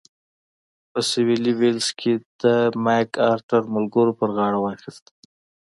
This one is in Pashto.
په سوېلي ویلز کې د مک ارتر ملګرو پر غاړه واخیست.